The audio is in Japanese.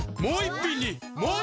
もう１品に！